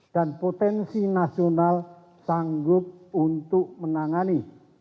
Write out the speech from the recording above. dan potensi nasional sanggup untuk menangani